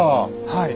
はい。